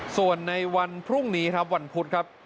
ส่วนในวันพรุ่งนี้ครับวันพุธครับ